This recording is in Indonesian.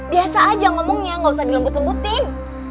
biasa aja ngomongnya gak usah dilembut lembutin